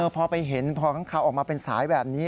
พอไปเห็นพอข้างคาวออกมาเป็นสายแบบนี้